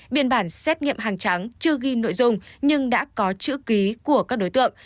biên bản xét nghiệm hàng trắng chưa ghi nội dung nhưng đã có chữ ký của các đối tượng